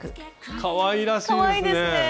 かわいらしいですね！